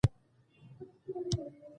غټۍ کورنۍ د اتفاق تر چتر لاندي ژوند کیي.